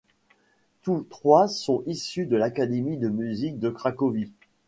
Tous trois sont issus de l'Académie de Musique de Cracovie.